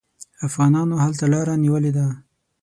افغانانو هلته لاره نیولې ده.